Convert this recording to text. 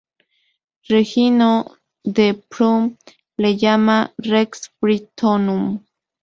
Regino de Prüm le llama "rex Brittonum".